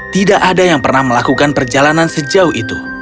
tidak ada yang pernah melakukan perjalanan sejauh itu